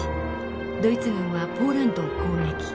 ドイツ軍はポーランドを攻撃。